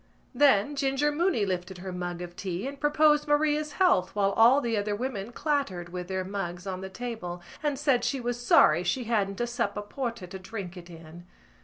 Then Ginger Mooney lifted up her mug of tea and proposed Maria's health while all the other women clattered with their mugs on the table, and said she was sorry she hadn't a sup of porter to drink it in.